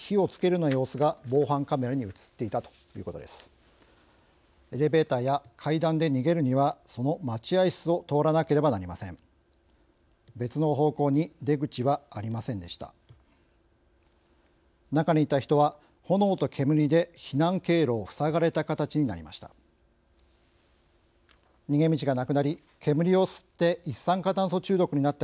中にいた人は炎と煙で避難経路を塞がれた形になりました。